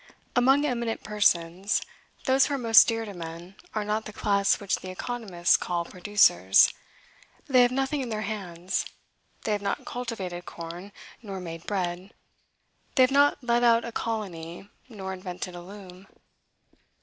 Among eminent persons, those who are most dear to men are not the class which the economists call producers; they have nothing in their hands; they have not cultivated corn, nor made bread; they have not led out a colony, nor invented a loom.